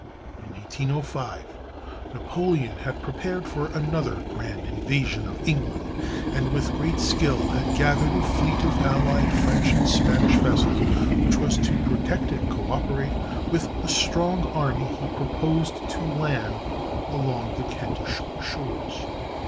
In 1805 Napoleon had prepared for another grand invasion of England, and with great skill had gathered a fleet of allied French and Spanish vessels, which was to protect and coöperate with the strong army he proposed to land along the Kentish shores.